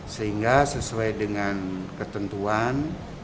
sehingga sesuai dengan ketentuan